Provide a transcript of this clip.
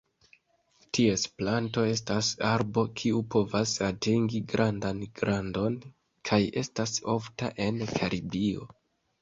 Ties planto estas arbo kiu povas atingi grandan grandon, kaj estas ofta en Karibio.